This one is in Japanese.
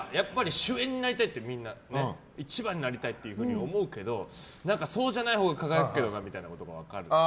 主演になりたいってみんな一番になりたいって思うけどそうじゃないほうが輝くみたいなことが分かると？